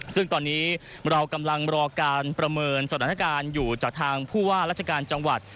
ซึ่งตอนนี้เรากำลังรอการประเมินสถานการณ์อยู่จากทางผู้ว่าราชการจังหวัด